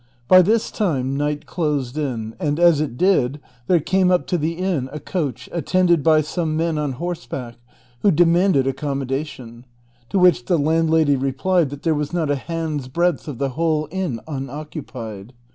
By this time night closed in, and as it did, there came up to. the inn a coach attended by some men on horseback, who de manded accommodation ; to which the landlady replied that there was not a hand's breadth of the whole inn unoccupied.